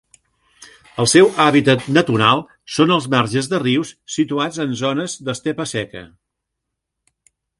El seu hàbitat natural són els marges de rius situats en zones d'estepa seca.